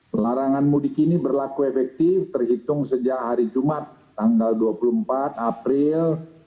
pelarangan mudik ini berlaku efektif terhitung sejak hari jumat tanggal dua puluh empat april